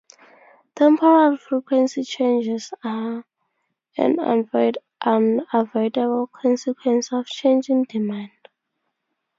Temporary frequency changes are an unavoidable consequence of changing demand.